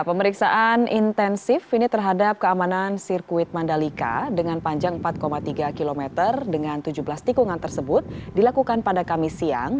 pemeriksaan intensif ini terhadap keamanan sirkuit mandalika dengan panjang empat tiga km dengan tujuh belas tikungan tersebut dilakukan pada kamis siang